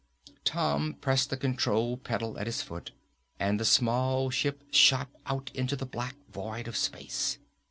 Tom pressed the control pedal at his foot and the small ship shot out into the black void of space.